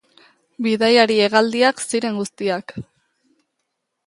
Bidaiari hegaldiak ziren guztiak.